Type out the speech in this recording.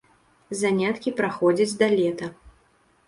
Заняткі праходзяць да лета.